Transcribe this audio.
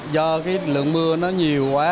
do cái lượng mưa nó nhiều quá